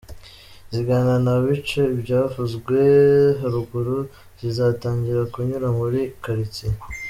zigana mu bice byavuzwe haruguru zizatangira kunyura muri Quartier.